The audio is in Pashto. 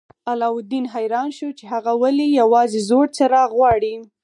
علاوالدین حیران شو چې هغه ولې یوازې زوړ څراغ غواړي.